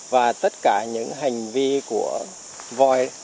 và tất cả những hành vi của voi